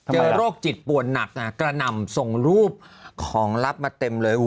โรคจิตป่วนหนักกระหน่ำส่งรูปของลับมาเต็มเลย